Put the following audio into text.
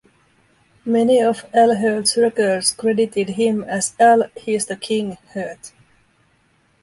Many of Al Hirt's records credited him as Al "He's The King" Hirt.